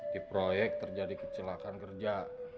di proyek terjadi kecelakaan kerja